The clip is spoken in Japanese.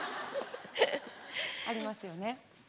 ありますよね。